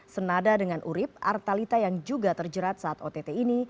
senada dengan urib artalita yang juga terjerat saat ott ini